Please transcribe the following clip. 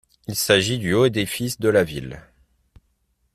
Il s'agit du haut édifice de la ville.